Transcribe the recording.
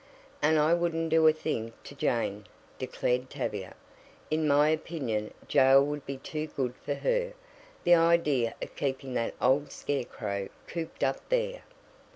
"And I wouldn't do a thing to Jane," declared Tavia. "In my opinion jail would be too good for her. The idea of keeping that old scarecrow cooped up there!"